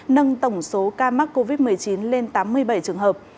nâng tổng số ca mắc covid một mươi chín lên tám mươi bảy trường hợp